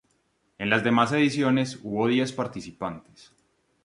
En las demás ediciones hubo diez participantes.